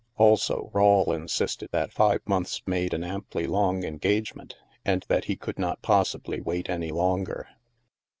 Also, Rawle insisted that five months made an amply long engagement, and that he could not possibly wait any longer.